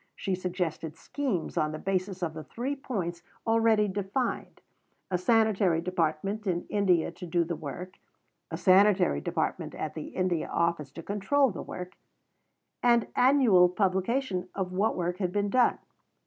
She suggested schemes on the basis of the Three Points already defined a Sanitary Department in India to do the work; a Sanitary Department at the India Office to control the work; and annual publication of what work had been done.